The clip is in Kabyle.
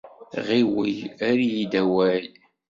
Ɣiwel, err-iyi-d awal!